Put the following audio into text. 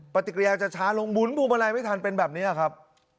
ปฏิกิริยาจะช้าลงหมุนพวงมาลัยไม่ทันเป็นแบบนี้ครับ